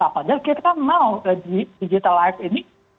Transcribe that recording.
padahal kita mau digital life ini